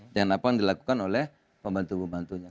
apa yang dilakukan oleh pembantu pembantunya